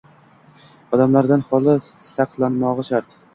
Odamlardan xoli saqlanmog’i shart.